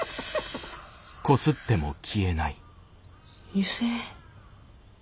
油性？